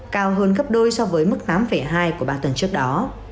cao hơn gấp đôi so với mức tám hai của ba tuần trước đó